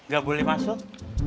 gak boleh masuk